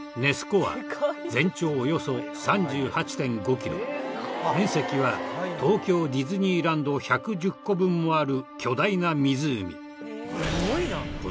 湖は全長およそ３８．５キロ面積は東京ディズニーランド１１０個分もある巨大な湖。